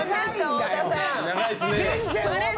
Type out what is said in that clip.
太田さん。